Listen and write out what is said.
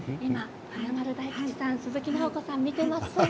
華丸・大吉さん鈴木奈穂子さん見ています。